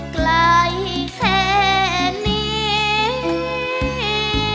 ไกลแค่นี้